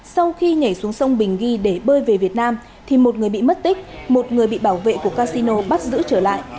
sau khi nhảy xuống sông bình ghi để bơi về việt nam thì một người bị mất tích một người bị bảo vệ của casino bắt giữ trở lại